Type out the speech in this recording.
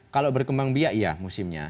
kalau berkembang biak iya musimnya